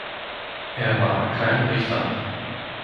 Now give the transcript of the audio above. Er war kein Richter.